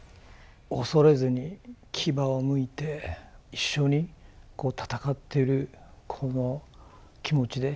恐れずに牙をむいて一緒に戦ってるこの気持ちで。